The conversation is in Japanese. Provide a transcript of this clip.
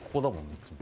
いつも。